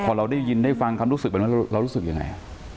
พอเราได้ยินได้ฟังคำรู้สึกเรารู้สึกยังไง